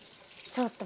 ちょっと！